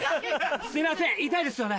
すいません痛いですよね？